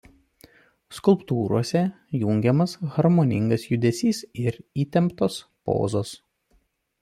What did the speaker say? Skulptūrose jungiamas harmoningas judesys ir įtemptos pozos.